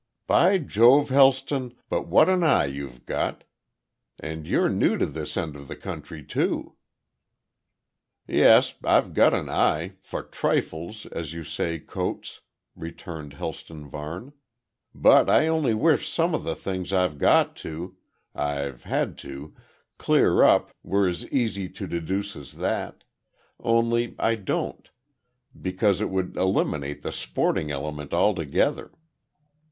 "By Jove, Helston, but what an eye you've got. And you're new to this end of the country too." "Yes. I've got an eye for trifles as you say, Coates," returned Helston Varne. "But I only wish some of the things I've got to I've had to clear up, were as easy to deduce as that only I don't, because it would eliminate the sporting element altogether.